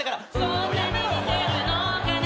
「そんなに似てるのかな」